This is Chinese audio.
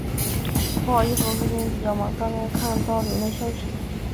不好意思，我最近比较忙，刚刚才看到您的信息。